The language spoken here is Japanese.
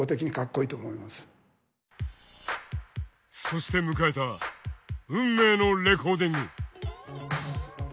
そして迎えた運命のレコーディング。